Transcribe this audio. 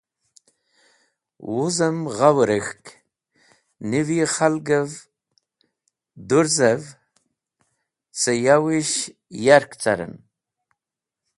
Wuzem gha wẽrek̃hk, niv yi khalgev dũrzev ce yawish yark caren.